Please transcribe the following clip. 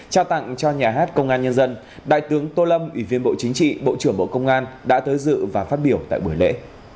trao tặng cho nhà hát công an nhân dân đại tướng tô lâm ủy viên bộ chính trị bộ trưởng bộ công an đã tới dự và phát biểu tại buổi lễ